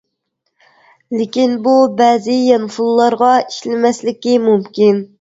لېكىن بۇ بەزى يانفونلارغا ئىشلىمەسلىكى مۇمكىن.